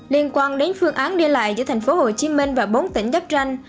liên quan đến phương án đi lại giữa tp hcm và bốn tỉnh giáp tranh